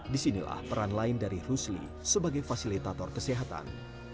disinilah peran lain dari rusli sebagai fasilitator kesehatan